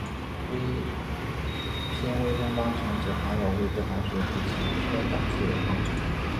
偏微分方程指含有未知函数及其偏导数的方程。